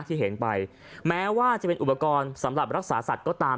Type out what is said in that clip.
ที่เห็นไปแม้ว่าจะเป็นอุปกรณ์สำหรับรักษาสัตว์ก็ตาม